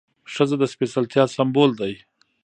ښځه د سپېڅلتیا سمبول ده.